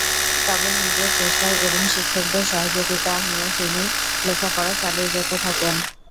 তবে নিজের চেষ্টায় এবং শিক্ষকদের সহযোগিতা নিয়ে তিনি লেখাপড়া চালিয়ে যেতে থাকেন।